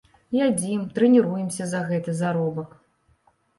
Ядзім, трэніруемся за гэты заробак.